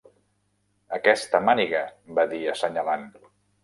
"Aquesta màniga", va dir assenyalant.